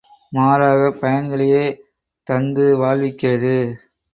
மாறாகப் பயன்களையே தந்து வாழ்விக்கிறது.